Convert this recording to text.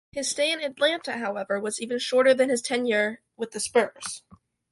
His stay in Atlanta, however, was even shorter than his tenure with the Spurs.